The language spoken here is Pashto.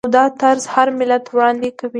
او دا طرز هر ملت وړاندې کوي.